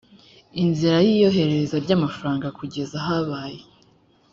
inzira y iyohereza ry amafaranga kugeza habaye